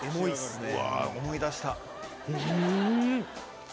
思い出した。